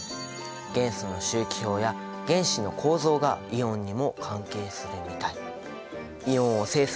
元素の周期表や原子の構造がイオンにも関係するみたい。